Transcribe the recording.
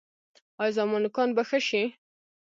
ایا زما نوکان به ښه شي؟